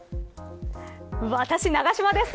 私、永島です。